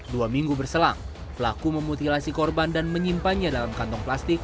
dua minggu berselang pelaku memutilasi korban dan menyimpannya dalam kantong plastik